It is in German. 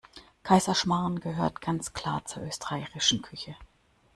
Kaiserschmarrn gehört ganz klar zur österreichischen Küche.